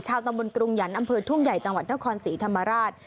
ตำบลกรุงหยันต์อำเภอทุ่งใหญ่จังหวัดนครศรีธรรมราช